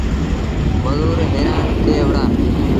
مزور هيرآن ٿئي وُهڙآ۔